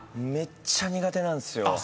めっちゃ苦手なんすよ。